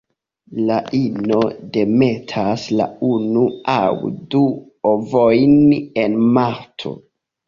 La ino demetas la unu aŭ du ovojn en marto.